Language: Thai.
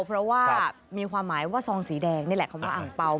เพราะว่ามีความหมายว่าซองสีแดงนี่แหละคำว่าอ่างเปล่า